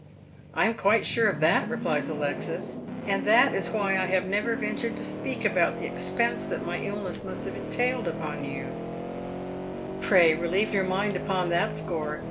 " I am quite sure of that," replies Alexis, " and that is why I have never ventured to speak about the expense that my illness must have entailed upon you," " Pray relieve your mind upon that score.